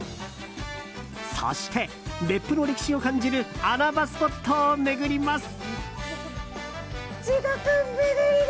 そして、別府の歴史を感じる穴場スポットを巡ります。